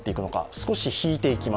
少し引いていきます。